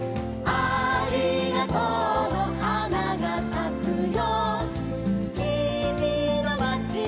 「ありがとうのはながさくよ」